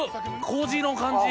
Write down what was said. こうじの感じ。